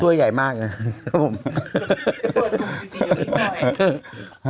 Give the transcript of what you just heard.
ต้วยใหญ่มากนะ